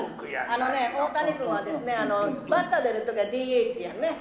あのね、大谷君はバッターでいる時はＤＨやね。